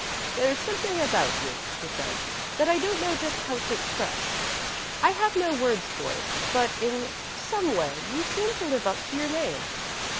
"There's something about you," he said, "that I don't know just how to express. I have no words for it, but, in some way, you seem to live up to your name."